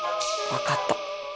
わかった。